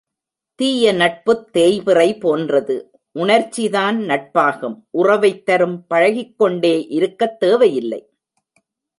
தீய நட்புத் தேய்பிறை போன்றது உணர்ச்சிதான் நட்பாகும் உறவைத் தரும் பழகிக்கொண்டே இருக்கத் தேவை இல்லை.